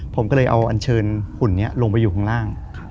ผมก็เลยเอาอันเชิญหุ่นนี้ลงไปอยู่ข้างล่าง